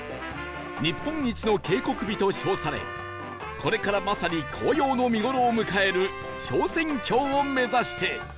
日本一の渓谷美と称されこれからまさに紅葉の見頃を迎える昇仙峡を目指して